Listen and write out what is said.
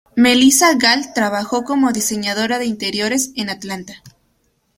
Melissa Galt trabajó como diseñadora de interiores en Atlanta.